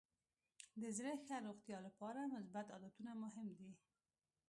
د زړه ښه روغتیا لپاره مثبت عادتونه مهم دي.